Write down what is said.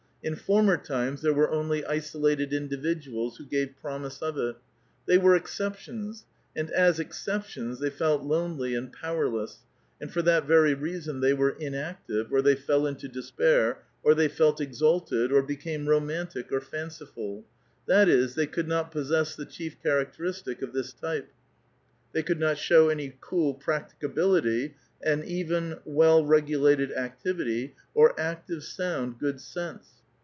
In former times there were only isolated individuals, I 'who gave promise of it ; they were exceptions, and as ex \ ceptions they felt lonel}' and powerless, and for that very ' :reason they were inactive, or they fell into desi)air, or they felt exalted, or became romantic or fanciful; that is, they c?ould not possess the chief characteristic of this type ; they could not show any cool practicability, an even, well x egulated activity, or active, sound good sense.